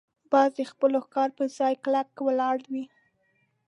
باز د خپل ښکار پر ځای کلکه ولاړ وي